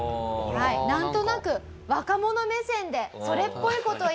なんとなく若者目線でそれっぽい事を言います。